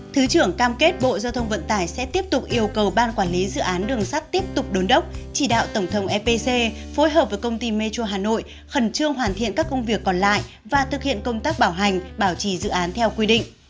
thứ trưởng cam kết bộ giao thông vận tải sẽ tiếp tục yêu cầu ban quản lý dự án đường sắt tiếp tục đốn đốc chỉ đạo tổng thống epc phối hợp với công ty metro hà nội khẩn trương hoàn thiện các công việc còn lại và thực hiện công tác bảo hành bảo trì dự án theo quy định